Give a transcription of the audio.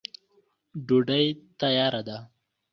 ډوډی تیاره ده.